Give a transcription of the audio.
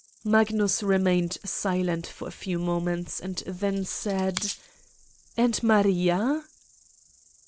Magnus remained silent for a few moments and then said: 1 ' And Maria